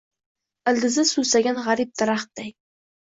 ildizi suvsagan gʼarib daraxtday.